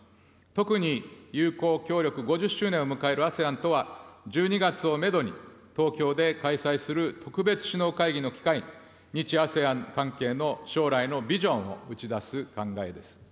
特に友好協力５０周年を迎えるＡＳＥＡＮとは、１２月をメドに、東京で開催する特別首脳会議の機会に、日ＡＳＥＡＮ関係の将来のビジョンを打ち出す考えです。